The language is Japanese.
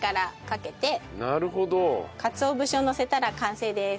かつおぶしをのせたら完成です。